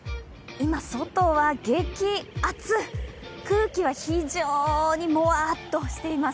今、外は激暑空気は本当にもわーっとしています。